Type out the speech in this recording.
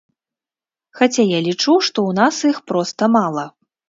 Хаця я лічу, што ў нас іх проста мала.